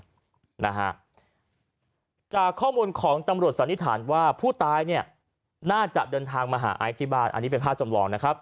จากข้อมูลของตำรวจสันิทานว่าผู้ตายน่าจะเดินทางมาหาอัยทิบาลอันนี้เป็นภาพจำรอง